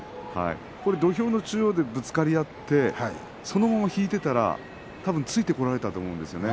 土俵の中央でぶつかり合ってそのまま引いていたらたぶんついてこられたと思うんですよね